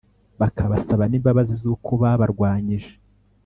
bakabasaba n’imbabazi z’uko babarwanyije.